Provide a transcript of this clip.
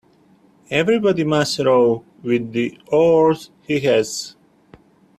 Everybody must row with the oars he has.